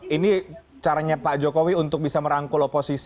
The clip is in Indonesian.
ini caranya pak jokowi untuk bisa merangkul oposisi